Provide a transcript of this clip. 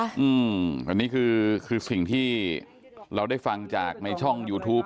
อันนี้คือคือสิ่งที่เราได้ฟังจากในช่องยูทูป